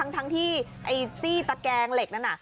ทั้งที่ไอ้ซี่ตะแกงเหล็กนั้นน่ะ